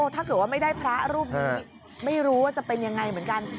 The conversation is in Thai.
ถ้าเกิดว่าไม่ได้พระรูปนี้ไม่รู้ว่าจะเป็นยังไงเหมือนกัน